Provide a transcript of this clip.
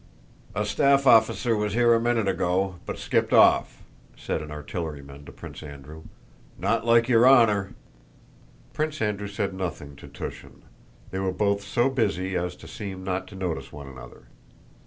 "A staff officer was here a minute ago, but skipped off," said an artilleryman to Prince Andrew. "Not like your honor!" Prince Andrew said nothing to Túshin. They were both so busy as to seem not to notice one another.